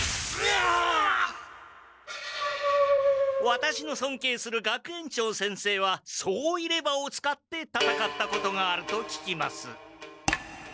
ワタシのそんけいする学園長先生は総入れ歯を使ってたたかったことがあると聞きます。